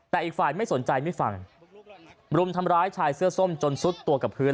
แต่อีกฝ่ายไม่สนใจไม่ฟังรุมทำร้ายชายเสื้อส้มจนซุดตัวกับพื้น